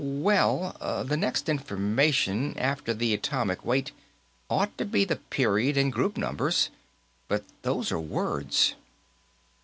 "Well, the next information after the atomic weight ought to be the period and group numbers. But those are words."